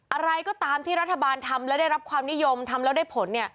อะไรก็ตามที่รัฐบาลทำและได้รับความนิยมทำแล้วได้ผล